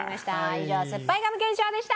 以上すっぱいガム検証でした！